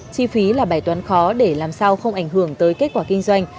chi phí là bài toán khó để làm sao không ảnh hưởng tới kết quả kinh doanh